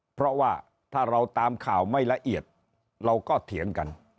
เพราะว่าถ้าเราตามข่าวไม่ละเอียดเราก็เถียงกัน